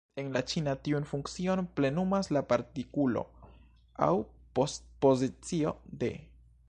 En la ĉina, tiun funkcion plenumas la partikulo, aŭ postpozicio, de.